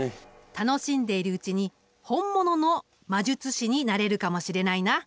楽しんでいるうちに本物の魔術師になれるかもしれないな。